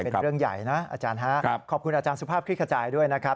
เป็นเรื่องใหญ่นะอาจารย์ฮะขอบคุณอาจารย์สุภาพคลิกขจายด้วยนะครับ